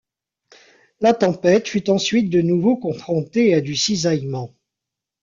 La tempête fut ensuite de nouveau confrontée à du cisaillement.